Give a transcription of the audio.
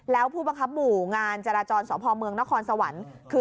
แล้วผู้บังคับหมู่งานจราจรสพเมืองนครสวรรค์คือ